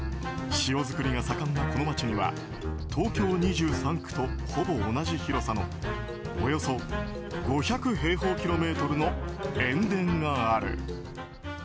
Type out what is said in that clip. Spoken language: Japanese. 塩作りが盛んなこの街には東京２３区とほぼ同じ広さのおよそ５００平方キロメートルの塩田がある。